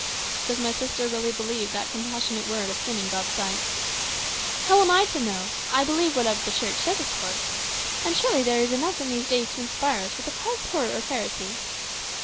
"Does my sister really believe that compassionate word a sin in God's sight?" "How am I to know? I believe whatever the Church says, of course. And surely there is enough in these days to inspire us with a pious horror of heresy.